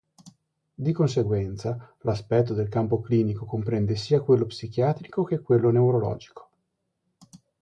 Di conseguenza, l'aspetto del campo clinico comprende sia quello psichiatrico che quello neurologico.